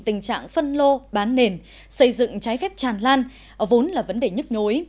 tình trạng phân lô bán nền xây dựng trái phép tràn lan vốn là vấn đề nhức nhối